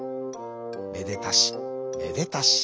めでたしめでたし。